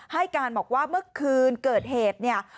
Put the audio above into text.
ให้การบอกว่าเมื่อคืนเกิดเหตุเนี่ย